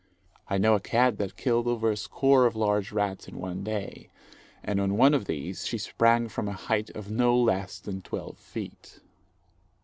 I know a cat that killed over a score of large rats in one day, and on one of these she sprang from a height of no less than twelve feet.